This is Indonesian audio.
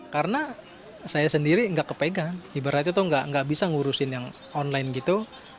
karena saya sendiri nggak kepegang ibaratnya nggak bisa ngurusin yang online gitu